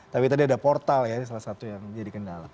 tapi tadi ada portal ya salah satu yang jadi kendala